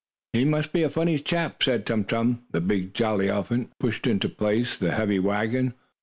"He must be a funny chap," said Tum Tum. The big, jolly elephant pushed into place the heavy wagon.